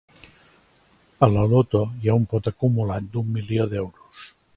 A la loto, hi ha un pot acumulat d'un milió d'euros.